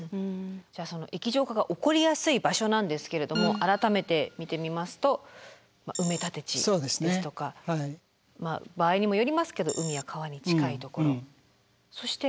じゃあその液状化が起こりやすい場所なんですけれども改めて見てみますと埋立地ですとか場合にもよりますけど海や川に近いところそして。